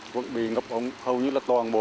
vẫn bị ngập hầu như toàn bộ